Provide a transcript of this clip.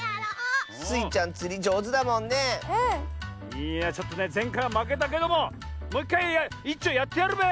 いやちょっとねぜんかいはまけたけどももういっかいいっちょやってやるべ！